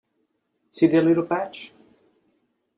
See that little patch?